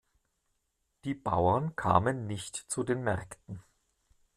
Die Bauern kamen nicht zu den Märkten.